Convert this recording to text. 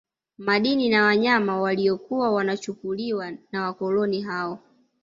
Madini na wanyama waliokuwa wanachukuliwa na wakoloni hao